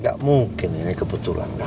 gak mungkin ini kebetulan gak mungkin